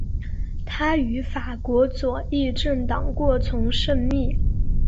他与法国左翼政党过从甚密。